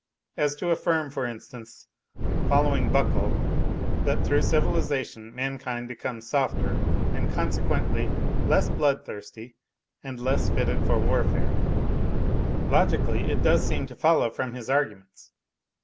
as to affirm, for NOTES FROM UNDERGROUND 67 instance, following Buckle, that through civilization mankind becomes softer, and consequently less bloodthirsty and less fitted for warfare. Logically it does seem to follow from his arguments.